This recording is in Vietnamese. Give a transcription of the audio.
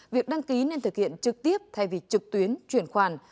việc đăng ký nên thực hiện trực tiếp thay vì trực tuyến chuyển khoản